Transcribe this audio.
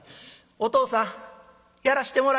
「お父さんやらしてもらいます」。